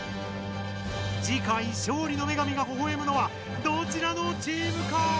次回勝利の女神がほほえむのはどちらのチームか？